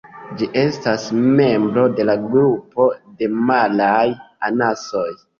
Ĝi estas membro de la grupo de maraj anasoj.